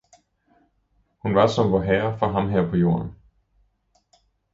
hun var som Vorherre for ham her på Jorden!